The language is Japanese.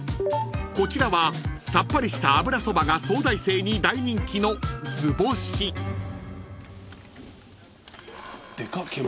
［こちらはさっぱりした油そばが早大生に大人気の］でかっ！